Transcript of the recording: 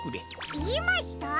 いいました。